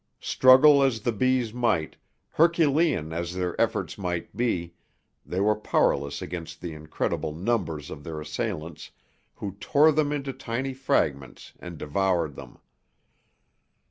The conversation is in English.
Struggle as the bees might, herculean as their efforts might be, they were powerless against the incredible numbers of their assailants, who tore them into tiny fragments and devoured them.